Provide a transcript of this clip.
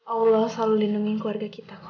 allah selalu lindungi keluarga kita